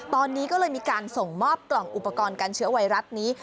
ตอนนี้ก็เลยมีการส่งมอบกล่องอุปกรณ์การเชื้อไวรัสนี้